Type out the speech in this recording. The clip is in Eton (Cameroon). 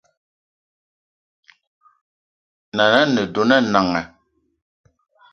Nan’na a ne dona Nanga